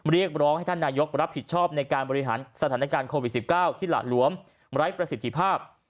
เรียกร้องให้ท่านนายกรับผิดชอบในการบริหารสถานการณ์โควิด๑๙ที่หละหลวมไร้ประสิทธิภาพ